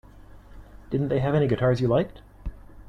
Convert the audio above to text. Didn't they have any guitars you liked?